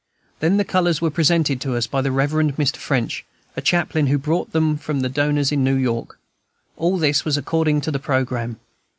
Then the colors were presented to us by the Rev. Mr. French, a chaplain who brought them from the donors in New York. All this was according to the programme.